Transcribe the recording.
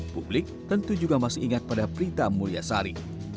publik tentu juga masih ingat pada berita mulia sari